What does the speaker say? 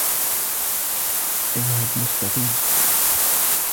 اذهب مستقيم